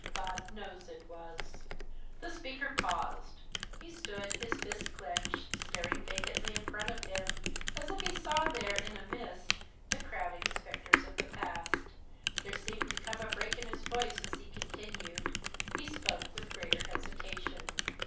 "God knows it was!" The speaker paused. He stood, his fists clenched, staring vacantly in front of him, as if he saw there, in a mist, the crowding spectres of the past. There seemed to come a break in his voice as he continued. He spoke with greater hesitation.